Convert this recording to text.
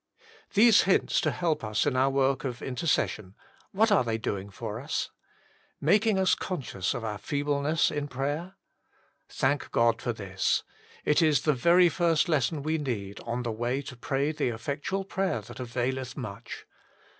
These hints to help us in our work of intercession what are they doing for us ? Making us conscious of our feebleness in prayer? Thank God for this. It is the very first lesson we need on the way to pray the effectual prayer that availcth much.